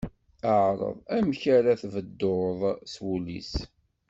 Ɛreḍ amek ara tbedduḍ s wullis.